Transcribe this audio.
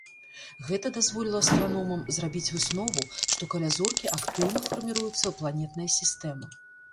Гэта дазволіла астраномам зрабіць выснову, што каля зоркі актыўна фарміруецца планетная сістэма.